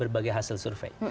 berbagai hasil survei